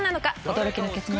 驚きの結末